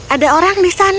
ada orang di sana